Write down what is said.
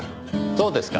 そうですか。